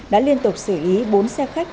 đã liên tục xử lý bốn xe khách